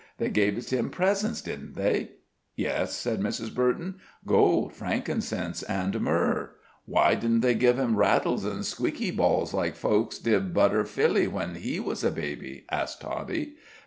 They gaveded him presentsh, didn't they?" "Yes," said Mrs. Burton; "gold, frankincense, and myrrh." "Why didn't they give him rattles and squealey balls, like folks did budder Phillie when he was a baby," asked Toddie.